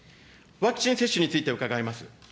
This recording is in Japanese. ワクチン接種について伺います。